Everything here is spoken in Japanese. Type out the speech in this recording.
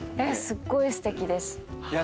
すっごいすてきです。